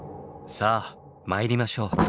さあ参りましょう。